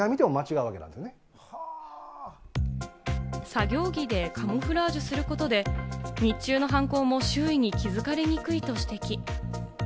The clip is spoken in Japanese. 作業着でカムフラージュすることで、日中の犯行も周囲に気づかれにくいと指摘。